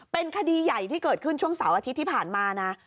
เป็นคดีใหญ่ที่เกิดขึ้นช่วงเสาร์อาทิตย์ที่ผ่านมานะ